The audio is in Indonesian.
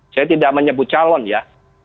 saya tidak menyebut calon ya